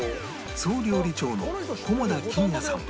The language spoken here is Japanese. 総料理長の菰田欣也さんは